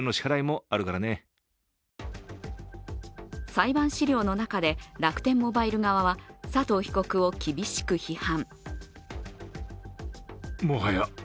裁判資料の中で楽天モバイル側は佐藤被告を厳しく批判。